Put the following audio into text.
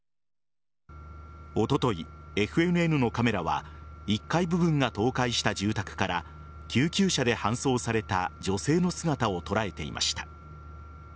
おととい、ＦＮＮのカメラは１階部分が倒壊した住宅から救急車で搬送された女性の姿を捉えていました。